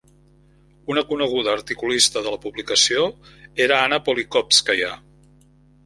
Una coneguda articulista de la publicació era Anna Politkóvskaia.